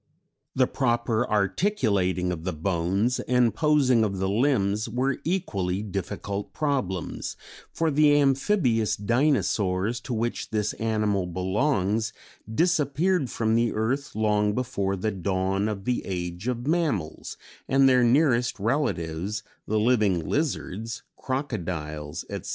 The proper articulating of the bones and posing of the limbs were equally difficult problems, for the Amphibious Dinosaurs, to which this animal belongs, disappeared from the earth long before the dawn of the Age of Mammals, and their nearest relatives, the living lizards, crocodiles, etc.